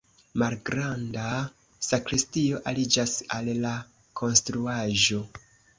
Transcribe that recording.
Malgranda sakristio aliĝas al la konstruaĵo.